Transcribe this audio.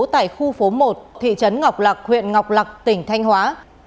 thị trấn ngọc lạc huyện ngọc lạc tỉnh thanh hóa